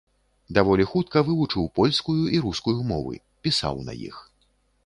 Даволі хутка вывучыў польскую і рускую мовы, пісаў на іх.